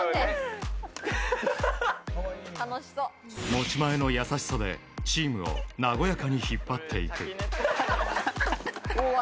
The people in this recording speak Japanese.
持ち前の優しさで、チームを和やかに引っ張っていく。